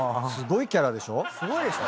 すごいでしょ。